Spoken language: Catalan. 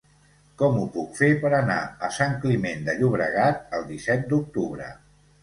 Com ho puc fer per anar a Sant Climent de Llobregat el disset d'octubre?